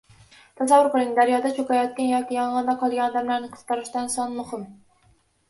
Tasavvur qiling, daryoda cho‘kayotgan yoki yong‘inda qolgan odamlarni qutqarishda son muhim.